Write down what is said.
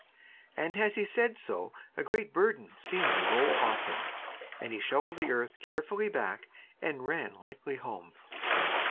And as he said so a great burden seemed to roll off him, and he shovelled the earth carefully back and ran lightly home.